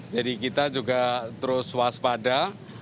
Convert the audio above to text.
jadi kita juga terus waspada